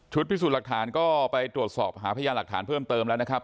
พิสูจน์หลักฐานก็ไปตรวจสอบหาพยานหลักฐานเพิ่มเติมแล้วนะครับ